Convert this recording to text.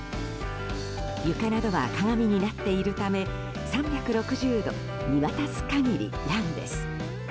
床などは鏡になっているため３６０度、見渡す限りランです。